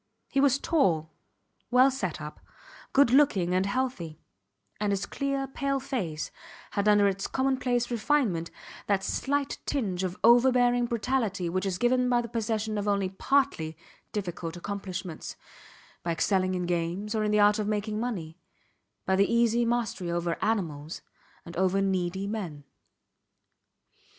He was tall, well set up, good looking and healthy; and his clear pale face had under its commonplace refinement that slight tinge of overbearing brutality which is given by the possession of only partly difficult accomplishments; by excelling in games, or in the art of making money; by the easy mastery over animals and over needy men.